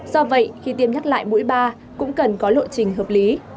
do vậy khi tiêm nhắc lại mũi ba cũng cần có lộ trình hợp lý